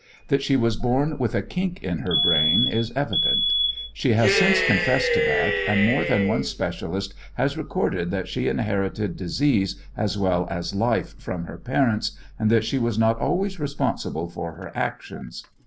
That she was born with a "kink" in her brain is evident. She has since confessed to that, and more than one specialist has recorded that she inherited disease as well as life from her parents and that she was not always responsible for her actions.